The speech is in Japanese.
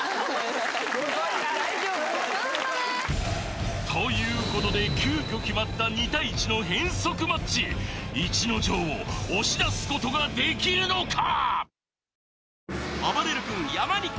頑張れーということで急きょ決まった２対１の変則マッチ逸ノ城を押し出すことができるのか？